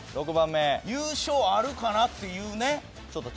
優勝あるかなっていうね。